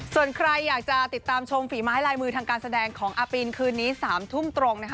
ส่วนใครอยากจะติดตามชมฝีไม้ลายมือทางการแสดงของอาปีนคืนนี้๓ทุ่มตรงนะคะ